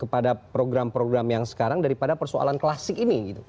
kepada program program yang sekarang daripada persoalan klasik ini